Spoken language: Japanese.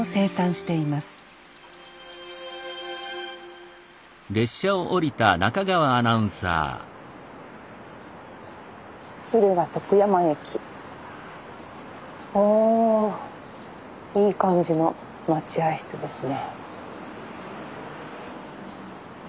いい感じの待合室ですね。